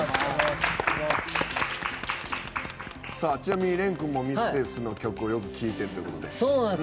ちなみに廉君もミセスの曲をよく聴いてるということで。